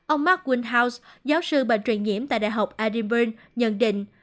ông mark windhouse giáo sư bệnh truyền nhiễm tại đại học edinburgh nhận định